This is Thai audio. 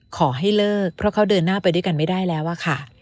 ขอให้เลิกเพราะเขาเดินหน้าไปด้วยกันไม่ได้แล้วอะค่ะ